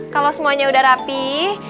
kalau semuanya udah rapih